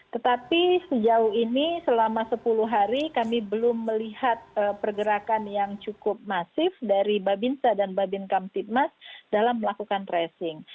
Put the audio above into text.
tetapi sejauh ini selama sepuluh hari kami belum melihat pergerakan yang cukup masif dari babinsa dan babin kamtipmas dalam melakukan tracing